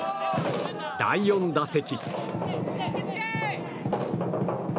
第４打席。